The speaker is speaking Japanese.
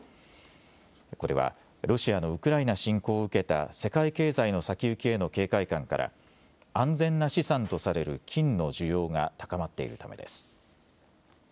これはロシアのウクライナ侵攻を受けた世界経済の先行きへの警戒感から安全な資産とされる金の需要が高まっているためです。